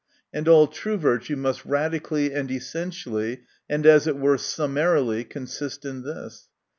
And all true virtue must radi cally and essentially, and as it were summarily, consist in this.